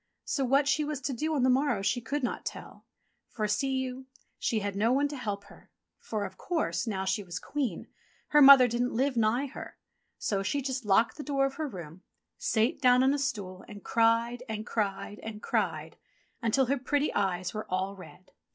So what she was to do on the morrow she could not tell ; for, see you, she had no one to help her ; for, of course, now she was Queen, her mother didn't live nigh her. So she just locked the door of her room, sate down on a stool and cried and cried and cried until her pretty eyes were all red.